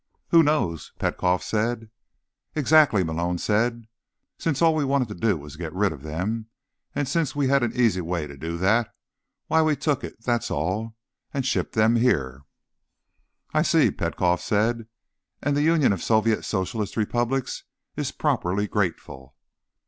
"Who knows?" Petkoff said. "Exactly," Malone said. "So, since all we wanted to do was get rid of them, and since we had an easy way to do that, why, we took it, that's all, and shipped them here." "I see," Petkoff said. "And the Union of Soviet Socialist Republics is properly grateful."